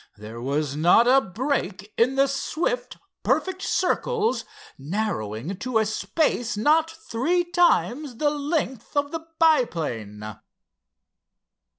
There was not a break in the swift, perfect circles, narrowing to a space not three times the length of the biplane.